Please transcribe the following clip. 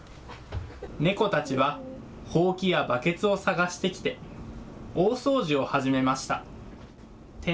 猫たちはほうきやバケツを探してきて大掃除を始めました。